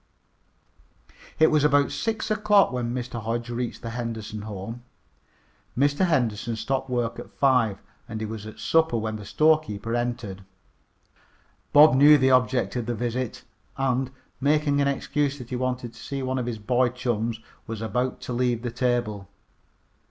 It was about six o'clock when Mr. Hodge reached the Henderson home. Mr. Henderson stopped work at five, and he was at supper when the storekeeper entered. Bob knew the object of the visit, and, making an excuse that he wanted to see one of his boy chums, was about to leave the table.